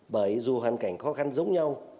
bởi dù hoàn cảnh khó khăn giống nhau